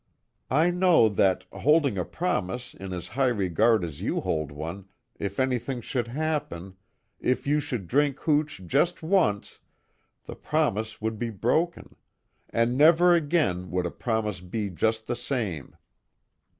I know that, holding a promise in as high regard as you hold one, if anything should happen if you should drink hooch just once, the promise would be broken and never again would a promise be just the same.